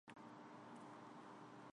Լավ տիրապետում է անգլերենին և գերմաներենին։